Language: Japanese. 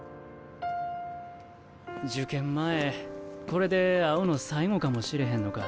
受験前これで会うの最後かもしれへんのか。